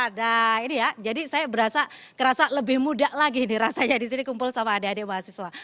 ada ini ya jadi saya berasa kerasa lebih muda lagi nih rasanya disini kumpul sama adik adik mahasiswa